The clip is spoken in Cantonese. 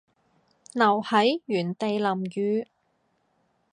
留喺原地淋雨